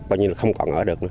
coi như là không còn ở được nữa